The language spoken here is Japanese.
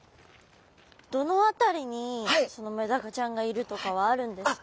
どのあたりにメダカちゃんがいるとかはあるんですか？